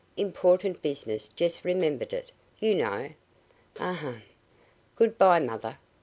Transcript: Important business just remembered it, you know, ahem! Good by, mother!